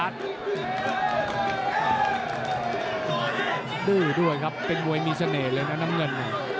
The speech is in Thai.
ดื้อด้วยครับเป็นมวยมีเสน่ห์เลยนะน้ำเงิน